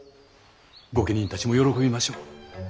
御家人たちも喜びましょう。